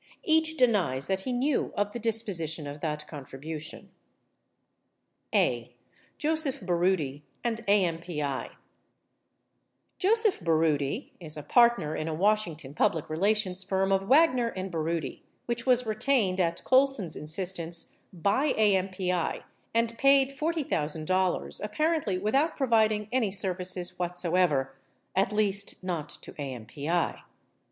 Each denies that he knew of the disposi tion of that contribution. a. J oseph Baroody and AMPI Joseph Baroody is a partner in a Washington public relations firm of Wagner & Baroody, which was retained (at Colson's insistence) by AMPI and paid $40,000 apparently without providing any serv ices whatsoever— at least not to AMPI.